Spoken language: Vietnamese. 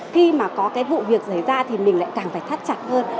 khi mà có cái vụ việc xảy ra thì mình lại càng phải thắt chặt hơn